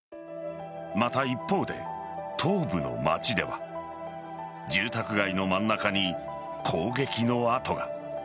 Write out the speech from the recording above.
また、一方で東部の町では住宅街の真ん中に攻撃の跡が。